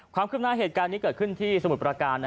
ห้ามคลิบหน้าเกิดขึ้นที่สมุทรประการ